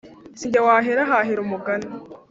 Sijye wahera hahera umugani